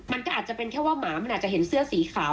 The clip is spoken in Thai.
มันก็อาจจะเป็นแค่ว่าหมามันอาจจะเห็นเสื้อสีขาว